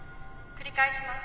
繰り返します。